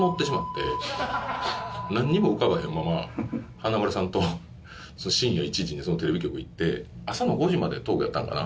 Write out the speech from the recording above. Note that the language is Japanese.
何にも浮かばへんまま華丸さんと深夜１時にそのテレビ局行って朝の５時までトークやったんかな？